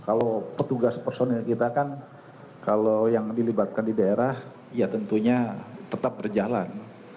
kalau petugas personil kita kan kalau yang dilibatkan di daerah ya tentunya tetap berjalan